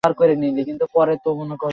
মহিলার উপরে ওভাবে চড়াও হলে কেন তাহলে?